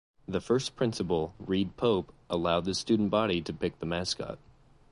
The first principal, Reid Pope, allowed the student body to pick the mascot.